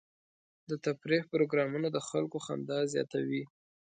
د تفریح پروګرامونه د خلکو خندا زیاتوي.